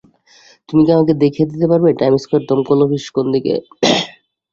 তুমি কি আমাকে দেখিয়ে দিতে পারবে, টাইম স্কয়ার দমকল অফিস কোন দিকে?